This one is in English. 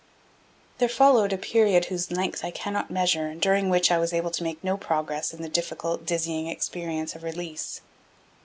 There followed a period whose length I cannot measure and during which I was able to make no progress in the difficult, dizzying experience of release.